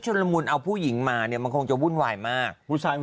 ละมุนเอาผู้หญิงมาเนี่ยมันคงจะวุ่นวายมากผู้ชาย